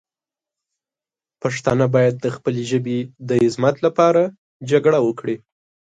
پښتانه باید د خپلې ژبې د عظمت لپاره جګړه وکړي.